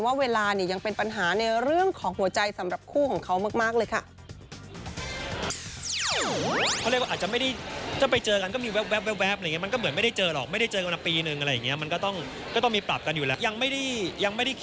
ว่าเวลายังเป็นปัญหาในเรื่องของหัวใจ